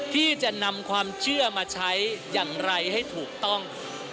ที่จะนำความเชื่อมาใช้อย่างไรให้ถูกต้อง